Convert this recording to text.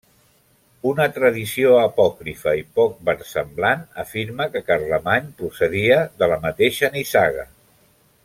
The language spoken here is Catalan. Una tradició apòcrifa i poc versemblant afirma que Carlemany procedia de la mateixa nissaga.